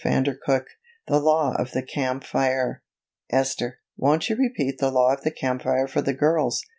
CHAPTER VI THE LAW OF THE CAMP FIRE "Esther, won't you repeat the Law of the Camp Fire for the girls?"